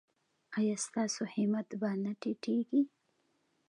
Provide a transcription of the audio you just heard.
ایا ستاسو همت به نه ټیټیږي؟